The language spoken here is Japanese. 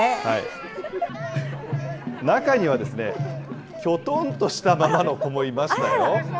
中には、きょとんしたままの子もいましたよ。